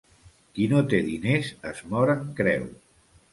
Qui no té diners es mor en creu.